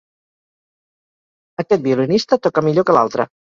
Aquest violinista toca millor que l'altre.